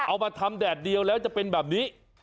เอามาทำแดดเดียวแล้วจะเป็นแบบนี้